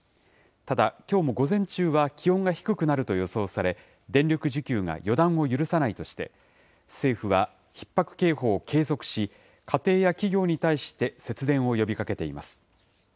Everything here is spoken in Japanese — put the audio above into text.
ただ、きょうも午前中は気温が低くなると予想され、電力需給が予断を許さないとして、政府はひっ迫警報を継続し、家庭や企業に対して節電を呼びかけています。